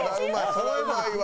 そりゃうまいわ。